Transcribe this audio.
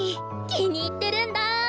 気に入ってるんだ。